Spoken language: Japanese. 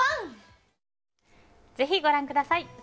ぜひ、ご覧ください。